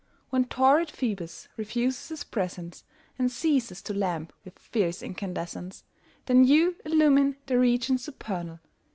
When torrid Phoebus refuses his presence And ceases to lamp with fierce incandescence^ Then you illumine the regions supernal.